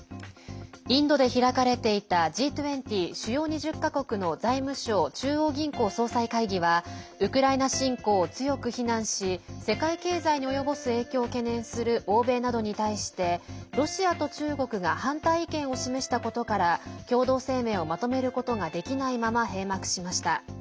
インドで開かれていたＧ２０＝主要２０か国の財務相・中央銀行総裁会議はウクライナ侵攻を強く非難し世界経済に及ぼす影響を懸念する欧米などに対してロシアと中国が反対意見を示したことから共同声明をまとめることができないまま閉幕しました。